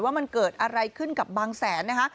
ว่ามันเกิดอะไรขึ้นกับบางแสนนะคะ